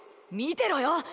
見てろよ！